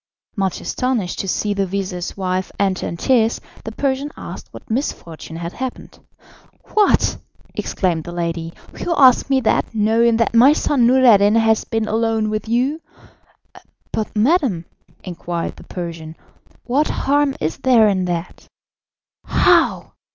Much astonished to see the vizir's wife enter in tears, the Persian asked what misfortune had happened. "What!" exclaimed the lady, "you ask me that, knowing that my son Noureddin has been alone with you?" "But, madam," inquired the Persian, "what harm is there in that?" "How!